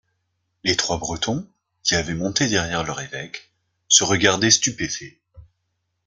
Les trois Bretons, qui avaient monté derrière leur évêque, se regardaient stupéfaits.